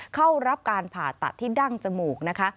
เข้ารับการผ่าตัดที่ดั้งจมูกนะคะ